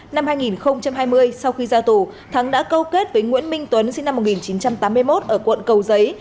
năm hai nghìn hai mươi sau khi ra tù thắng đã câu kết với nguyễn minh tuấn sinh năm một nghìn chín trăm tám mươi một ở quận cầu giấy